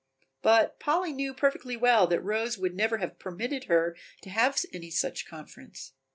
But Polly knew perfectly well that Rose would never have permitted her to have any such conference.